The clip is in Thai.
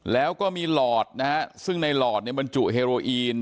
แล้วก็มีหลอดนะฮะซึ่งในหลอดมันจุเฮโรอีน